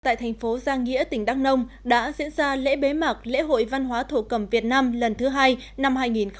tại thành phố giang nghĩa tỉnh đắk nông đã diễn ra lễ bế mạc lễ hội văn hóa thổ cầm việt nam lần thứ hai năm hai nghìn hai mươi